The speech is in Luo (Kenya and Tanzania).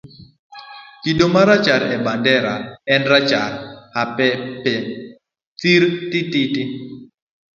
Kido marachar e bandera en rachar. ha . pe pe . thirrr tititi